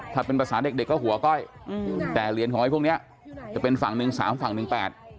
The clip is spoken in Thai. ถ้าเป็นภาษาเด็กเด็กก็หัวก้อยอืมแต่เหรียญของไอ้พวกเนี้ยจะเป็นฝั่งหนึ่งสามฝั่งหนึ่งแปด